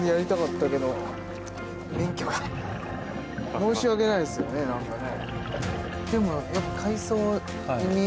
申し訳ないですよね、なんかね。